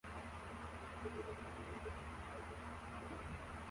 Umuntu hakurya yumurima wurubura numusozi inyuma